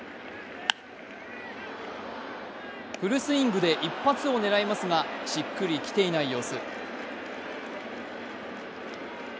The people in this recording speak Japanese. フルスイングで一発を狙いますが、しっくりきていない様子。